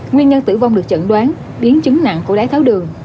nguyên nhân tử vong được chẩn đoán biến chứng nặng của đáy tháo đường